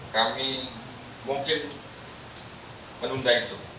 kami mungkin menunda itu